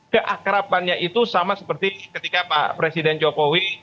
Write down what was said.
keakrapannya itu sama seperti ketika pak presiden jokowi